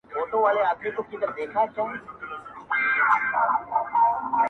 پر چا زیارت او پر چا لوړي منارې جوړي سي-